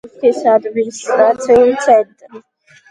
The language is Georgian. აქტობეს ოლქის ადმინისტრაციული ცენტრი.